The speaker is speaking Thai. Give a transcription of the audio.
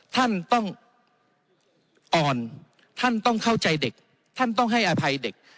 ท่านต้องอ่อนท่านต้องเข้าใจเด็กท่านต้องให้อภัยเด็ก